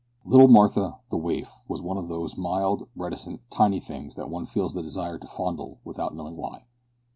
Little Martha, the waif, was one of those mild, reticent, tiny things that one feels a desire to fondle without knowing why.